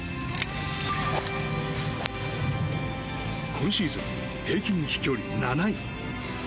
今シーズン、平均飛距離７位。